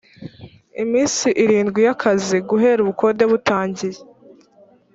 iminsi irindwi y’ akazi guhera ubukode butangiye